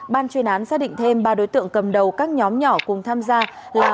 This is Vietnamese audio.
ban chuyên án xác định thêm ba đối tượng cầm đầu các nhóm nhỏ cùng tham gia là